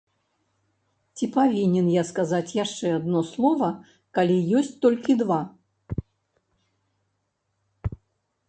Ці павінен я сказаць яшчэ адно слова, калі ёсць толькі два?